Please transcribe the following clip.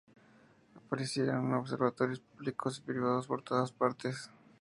Aparecieron observatorios públicos y privados por todas partes.